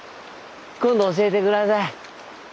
今度教えて下さい。